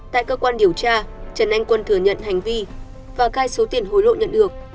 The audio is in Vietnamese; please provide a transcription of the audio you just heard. tại cơ quan điều tra trần anh quân thừa nhận hành vi và cai số tiền hối lộ nhận được